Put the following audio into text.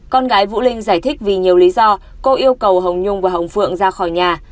con gái vũ linh giải thích vì nhiều lý do cô yêu cầu hồng nhung và hồng phượng ra khỏi nhà